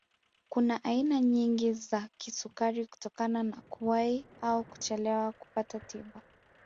Kuna aina nyingi za kisukari kutokana na kuwahi au kuchelewa kupata tiba